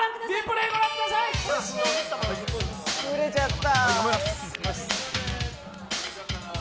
ずれちゃった。